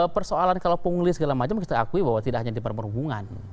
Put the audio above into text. persoalan kalau pungli segala macam kita akui bahwa tidak hanya di perhubungan